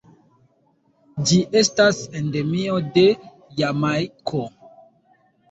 Ĝi estas endemio de Jamajko.